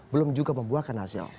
belum juga membuahkan hasil